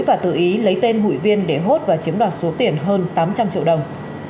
và tự ý lấy tên hụi viên để hốt và chiếm đoạt số tiền hơn tám trăm linh triệu đồng